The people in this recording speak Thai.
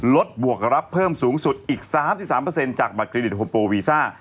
บวกรับเพิ่มสูงสุดอีก๓๓จากบัตรเครดิตโฮโปวีซ่า